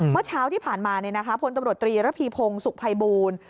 เมื่อเช้าที่ผ่านมาพลตำรวจตรีระพีพงศ์สุขภัยบูรณ์